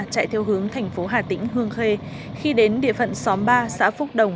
chạy theo hướng tp hcm khi đến địa phận xóm ba xã phúc đồng